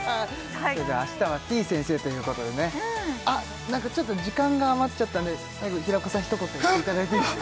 明日はてぃ先生ということでねあっなんかちょっと時間が余っちゃったんで最後平子さんひと言いただいていいですか？